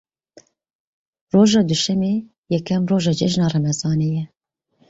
Roja duşemê yekem roja Cejna Remezanê ye.